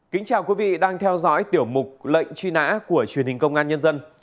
kính chào quý vị đang theo dõi tiểu mục lệnh truy nã của truyền hình công an nhân dân